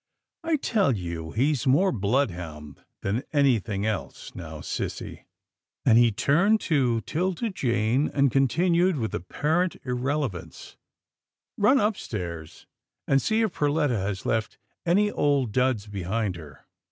I tell you he's more bloodhound than anything else — now, sissy," and he turned to 'Tilda Jane, and continued with apparent irrelevance, " run upstairs, and see if Per letta has left any old duds behind her."